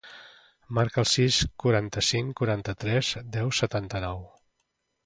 Marca el sis, quaranta-cinc, quaranta-tres, deu, setanta-nou.